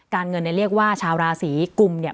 เงินเนี่ยเรียกว่าชาวราศีกุมเนี่ย